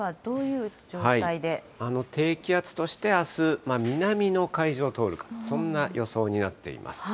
低気圧として、あす、南の海上を通るかと、そんな予想になっています。